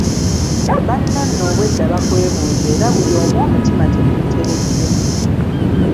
Banno nno obwedda bakwebuuza era buli omu omutima tegumuteredde.